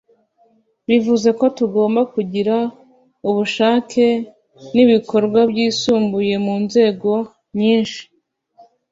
bivuze ko tugomba kugira ubushake n’ibikorwa byisumbuye mu nzego nyinshi